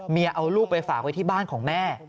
เอาลูกไปฝากไว้ที่บ้านของแม่